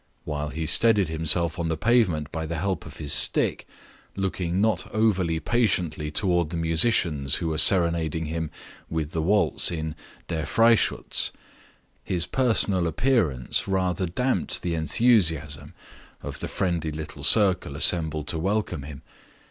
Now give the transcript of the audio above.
While he steadied himself on the pavement by the help of his stick looking not over patiently toward the musicians who were serenading him with the waltz in "Der Freischutz" his personal appearance rather damped the enthusiasm of the friendly little circle assembled to welcome him.